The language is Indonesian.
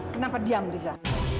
kenapa diam riza